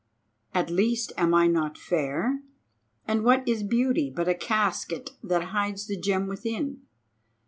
At the least am I not fair? And what is beauty but a casket that hides the gem within?